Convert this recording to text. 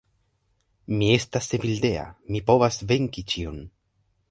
Mi estas Evildea, mi povas venki ĉion.